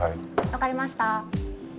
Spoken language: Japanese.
わかりました。